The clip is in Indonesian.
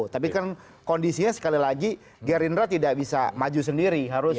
tapi kan kondisinya sekali lagi gerindra tidak bisa maju sendiri